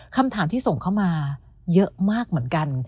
คำถามที่ส่งเข้ามาเยอะมากเหมือนกัน